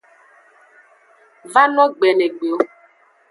Vano gbenegbe o.